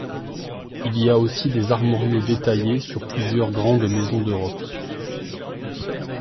Il y a aussi des armoriaux détaillés sur plusieurs grandes Maisons d'Europe.